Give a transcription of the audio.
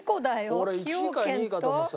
俺１位か２位かと思ってた。